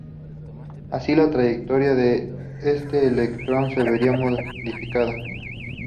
Así, la trayectoria de este electrón se vería modificada.